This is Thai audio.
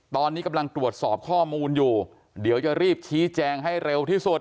ตอนนี้กำลังตรวจสอบข้อมูลอยู่เดี๋ยวจะรีบชี้แจงให้เร็วที่สุด